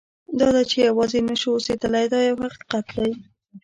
دا ده چې یوازې نه شو اوسېدلی دا یو حقیقت دی.